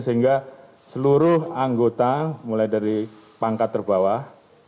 sehingga seluruh anggota mulai dari pangkat terbawah